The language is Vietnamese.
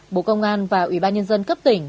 bộ công an và ubnd cấp tỉnh